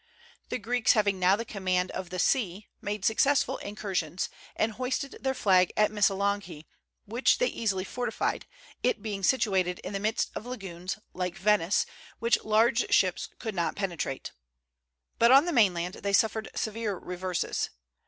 The Greeks having now the command of the sea, made successful incursions, and hoisted their flag at Missolonghi, which they easily fortified, it being situated in the midst of lagoons, like Venice, which large ships could not penetrate. But on the mainland they suffered severe reverses.